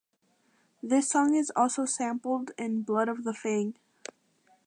This song is also sampled in "Blood of the Fang".